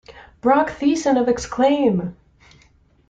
Brock Thiessen of Exclaim!